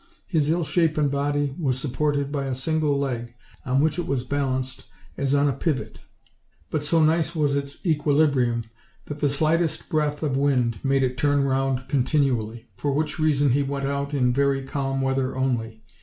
His ill shapen body was supported by a single leg, on which it was balanced as on a pivot; but so nice was its equilibrium that the slightest breath of wind made OLD, OLD FAIRY TALES. it turn round continually, for which reason he went out in very calm weather only.